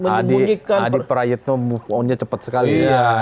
adi pera yudhno move on nya cepet sekali